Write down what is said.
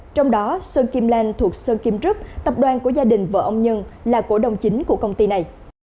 trong đó sơn kim lan thuộc sơn kim rút tập đoàn của gia đình vợ ông nhân là cổ đồng chính của công ty này